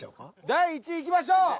第１位いきましょう。